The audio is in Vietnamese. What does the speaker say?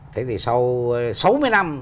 thế thì sau sáu mươi năm